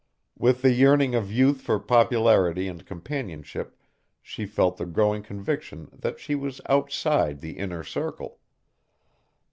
With the yearning of youth for popularity and companionship she felt the growing conviction that she was outside the inner circle.